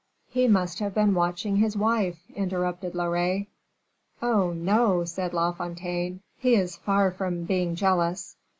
"He must have been watching his wife," interrupted Loret. "Oh, no!" said La Fontaine, "he is far from being jealous.